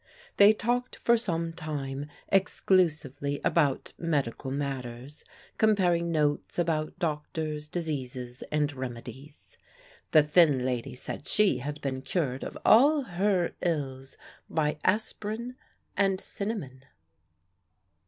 They talked for some time exclusively about medical matters, comparing notes about doctors, diseases, and remedies. The thin lady said she had been cured of all her ills by aspirin and cinnamon.